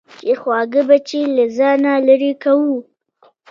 چې خواږه بچي له ځانه لېرې کوو.